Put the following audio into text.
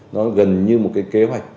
nó gần như một cái kế hoạch